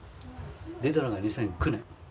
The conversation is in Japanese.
出たのが２００９年。